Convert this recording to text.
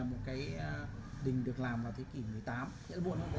tôi thấy đình được làm vào thế kỷ một mươi tám